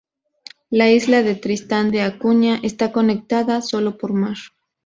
La isla de Tristan de Acuña está conectada sólo por mar.